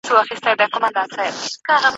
په هغه وخت کي د حمل او نقل سکتور نه و.